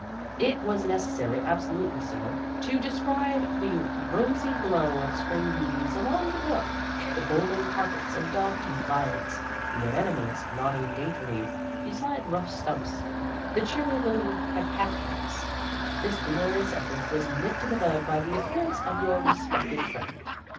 ). It was necessary absolutely so to describe the rosy glow of spring beauties along the brook, the golden carpets of dogtooth violets, the anemones nodding daintily beside rough stumps, the cheery little hepaticas. This glorious effort was nipped in the bud by the appearance of your respected friend.